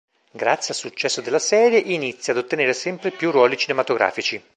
Grazie al successo della serie, inizia ad ottenere sempre più ruoli cinematografici.